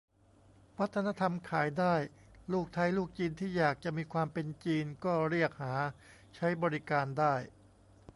วัฒนธรรมขายได้ : ลูกไทยลูกจีนที่อยากจะมีความเป็นจีน ก็เรียกหาใช้บริการได้